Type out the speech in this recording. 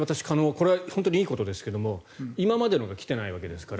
これは本当にいいことですが今までのが来ていないわけですから。